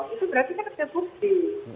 itu berarti kan ada bukti